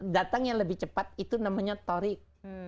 datang yang lebih cepat itu namanya torik